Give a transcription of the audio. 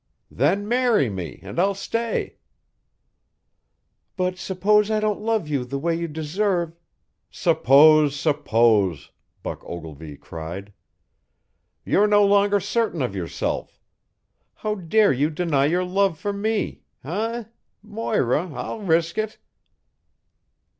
"Then marry me and I'll stay." "But suppose I don't love you the way you deserve " "Suppose! Suppose!" Buck Ogilvy cried. "You're no longer certain of yourself. How dare you deny your love for me? Eh? Moira, I'll risk it."